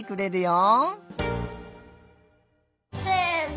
せの。